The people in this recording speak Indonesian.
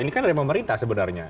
ini kan dari pemerintah sebenarnya